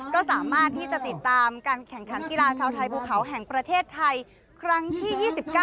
ก็สามารถที่จะติดตามการแข่งขันกีฬาชาวไทยภูเขาแห่งประเทศไทยครั้งที่๒๙